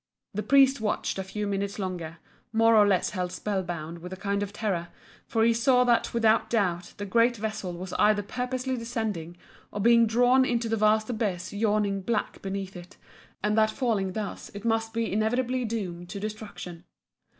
The priest watched a few minutes longer, more or less held spell bound with a kind of terror, for he saw that without doubt the great vessel was either purposely descending or being drawn into the vast abyss yawning black beneath it, and that falling thus it must be inevitably doomed to destruction.